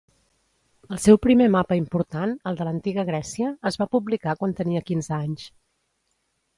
El seu primer mapa important, el de l'Antiga Grècia, es va publicar quan tenia quinze anys.